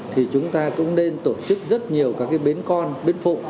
thì chúng ta cũng nên tổ chức rất nhiều các cái bến con bến phụ